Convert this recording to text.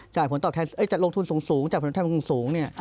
จากผลตอบแทนจากลงทุนสูงจากผลตอบแทนสูง